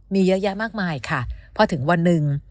มีเยอะแยะมากมายค่ะพอถึงวันหนึ่ง